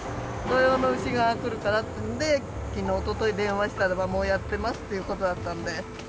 土用のうしが来るからっていうんで、きのう、おととい電話したらば、もうやってますっていうことだったんで。